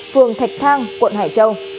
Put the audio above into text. phường thạch thang quận hải châu